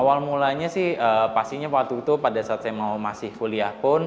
awal mulanya sih pastinya waktu itu pada saat saya mau masih kuliah pun